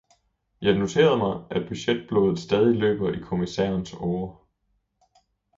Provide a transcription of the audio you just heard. Jeg noterede mig, at budgetblodet stadig løber i kommissærens årer.